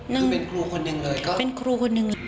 นั่งเป็นครูคนหนึ่งเลยก็เป็นครูคนหนึ่ง